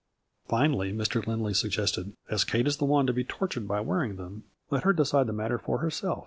Finally Mr. Lindley suggested " as Kate is the one to be tortured by wearing them, let her de cide the matter for herself.